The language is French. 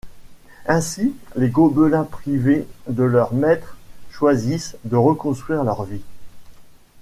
Ainsi les gobelins privés de leur maître choisissent de reconstruire leur vie.